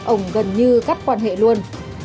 ổng gần như cắt quan hệ luôn